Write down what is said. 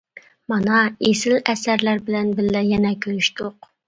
مانا ئېسىل ئەسەرلەر بىلەن بىللە يەنە كۆرۈشتۇق!